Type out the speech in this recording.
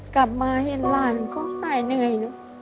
กลับมาเห็นหลานก็ไม่เหนื่อยนะ